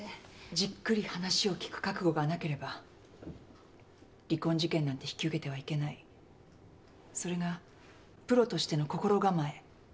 じっくり話を聞く覚悟がなければ離婚事件なんて引き受けてはいけないそれがプロとしての心構え。